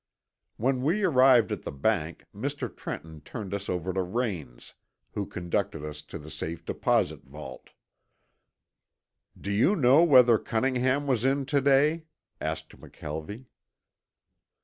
When we arrived at the bank Mr. Trenton turned us over to Raines, who conducted us to the safe deposit vault. "Do you know whether Cunningham was in to day?" asked McKelvie.